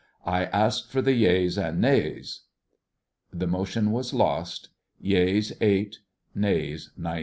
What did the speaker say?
I ask for the yeas and nays. The motion was lost, ŌĆö Yeas 8, Nays 19.